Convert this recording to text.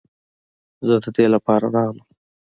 زه د دې لپاره راغلم.